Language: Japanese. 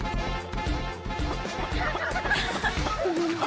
ハハハハ！